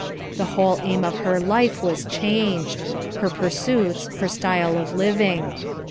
The whole aim of her life was changed, her pursuits, her style of living.